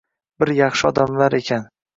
Bir yaxshi odamlar ekan.